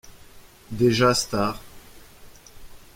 Déjà Stars.